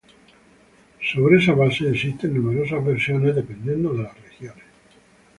Sobre esa base existen numerosas versiones dependiendo de las regiones.